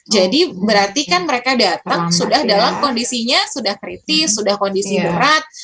jadi berarti kan mereka datang sudah dalam kondisinya sudah kritis sudah kondisi berat